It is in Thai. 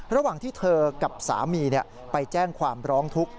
ระหว่างที่เธอกับสามีไปแจ้งความร้องทุกข์